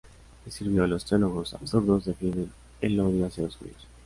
Escribió: "Los teólogos absurdos defienden el odio hacia los judíos.